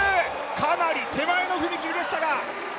かなり手前の踏み切りでしたが。